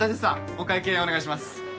お会計お願いします